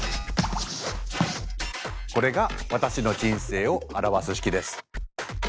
これが私の人生を表す式です。